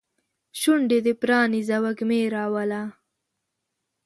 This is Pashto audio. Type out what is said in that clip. شونډې دې پرانیزه وږمې راوله